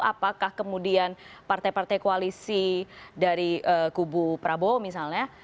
apakah kemudian partai partai koalisi dari kubu prabowo misalnya